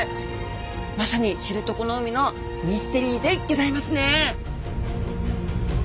まさに知床の海のミステリーでギョざいますね！